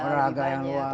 olahraga yang luas